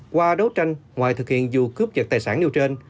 qua đấu tranh ngoài thực hiện dù cướp vật tài sản nêu trên